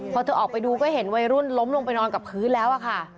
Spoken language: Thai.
พอเธอออกไปดูก็เห็นวัยรุ่นล้มลงไปนอนกับพื้นแล้วอะค่ะ